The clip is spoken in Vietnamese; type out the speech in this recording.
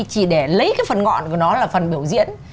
chỉ để lấy cái phần ngọn của nó là phần biểu diễn